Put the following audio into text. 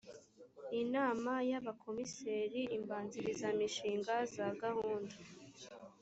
inama y abakomiseri imbanzirizamishinga za gahunda